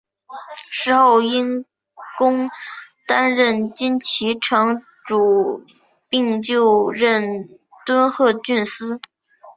事后因公担任金崎城主并就任敦贺郡司。